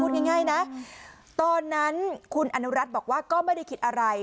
ง่ายนะตอนนั้นคุณอนุรัติบอกว่าก็ไม่ได้คิดอะไร